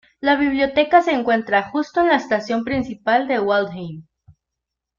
La biblioteca se encuentra justo en la estación principal de Waldheim.